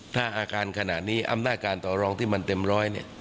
ถ้าอาการขนาดนี้อำนาจการต่อรองที่มันเต็มร้อยเนี่ย